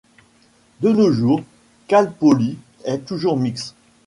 De nos jours, Cal Poly est toujours mixte.